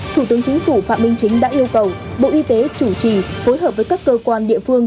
thủ tướng chính phủ phạm minh chính đã yêu cầu bộ y tế chủ trì phối hợp với các cơ quan địa phương